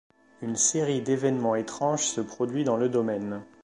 Une série d'évènements étranges se produit dans le domaine.